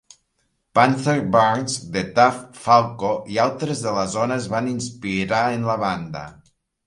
Panther Burns de Tav Falco i altres de la zona es van inspirar en la banda.